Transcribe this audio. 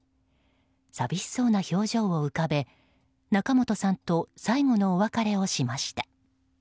寂しそうな表情を浮かべ仲本さんと最後のお別れをしました。